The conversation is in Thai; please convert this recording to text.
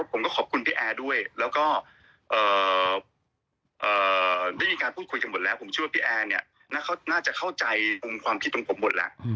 ผมก็ขอบคุณพี่แอร์ด้วยแล้วก็ได้มีการพูดคุยกันหมดแล้วผมเชื่อว่าพี่แอร์เนี่ยน่าจะเข้าใจมุมความคิดของผมหมดแล้ว